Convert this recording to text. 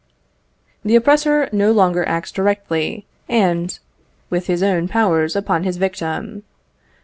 The oppressor no longer acts directly and with his own powers upon his victim.